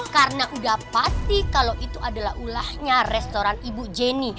karena udah pasti kalau itu adalah ulahnya restoran ibu jenny